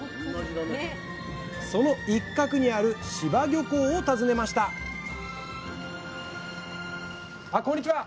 その一角にある柴漁港を訪ねましたあこんにちは。